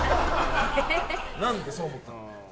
何でそう思ったの？